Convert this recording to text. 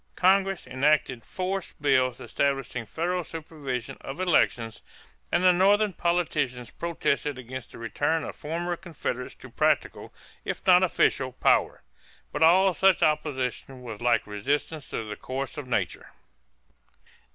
Congress enacted force bills establishing federal supervision of elections and the Northern politicians protested against the return of former Confederates to practical, if not official, power; but all such opposition was like resistance to the course of nature.